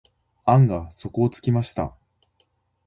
案が底をつきました。